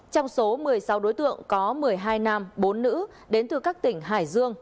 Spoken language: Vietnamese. trong số một mươi sáu đối tượng có một mươi hai nam bốn nữ đến từ các tỉnh hải dương